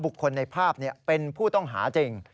คนในภาพเป็นผู้ต้องหาจริง